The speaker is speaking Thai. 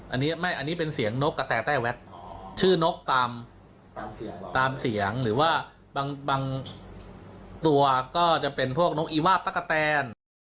อันนี้เป็นเสียงนกกระแต้แวดชื่อนกตามเสียงหรือว่าบางตัวก็จะเป็นพวกนกอีวาบตะกะแตน